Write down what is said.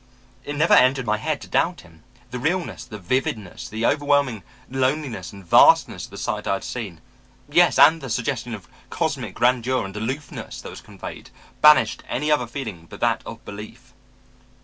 "It never entered my head to doubt him. The realness, the vividness, the overwhelming loneliness and vastness of the sight I had seen yes, and the suggestion of cosmic grandeur and aloofness that was conveyed banished any other feeling but that of belief.